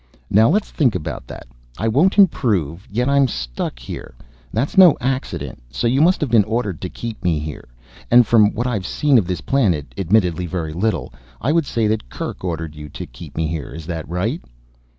"Now let's think about that. I won't improve yet I'm still stuck here. That's no accident. So you must have been ordered to keep me here. And from what I have seen of this planet, admittedly very little, I would say that Kerk ordered you to keep me here. Is that right?"